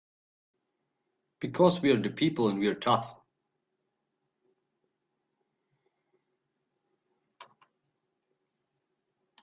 Because we're the people and we're tough!